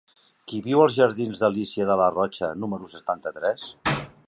Qui viu als jardins d'Alícia de Larrocha número setanta-tres?